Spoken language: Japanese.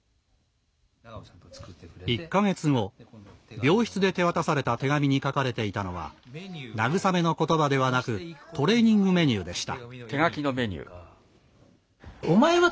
１か月後病室で手渡された手紙に書かれていたのは慰めのことばではなくトレーニングメニューでした。